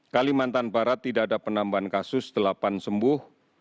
kalimantan barat tidak ada penambahan kasus delapan sembuh